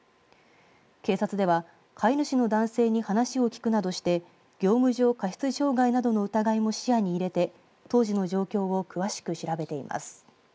警察では飼い主の男性に話を聞くなどして業務上過失傷害などの疑いも視野に入れて当時の状況を詳しく調べています。